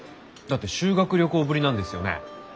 だって修学旅行ぶりなんですよね？